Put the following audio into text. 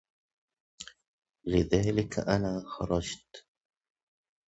لذلك أنا خرجت